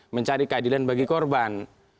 mencari keadilan bagi korban